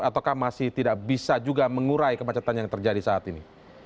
ataukah masih tidak bisa juga mengurai kemacetan yang terjadi saat ini